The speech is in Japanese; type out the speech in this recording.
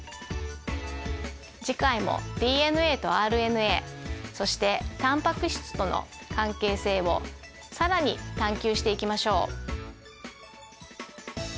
次回もＤＮＡとＲＮＡそしてタンパク質との関係性を更に探究していきましょう。